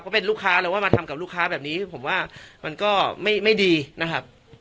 เพราะเป็นลูกค้าหรือว่ามาทำกับลูกค้าแบบนี้ผมว่ามันก็ไม่ดีนะครับ